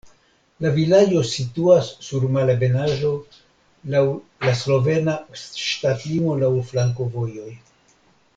La vilaĝo situas sur malebenaĵo, laŭ la slovena ŝtatlimo, laŭ flankovojoj.